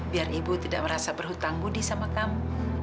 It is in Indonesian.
biar ibu tidak merasa berhutang budi sama kamu